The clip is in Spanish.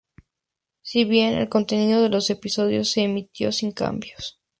Si bien el contenido de los episodios se emitió sin cambios.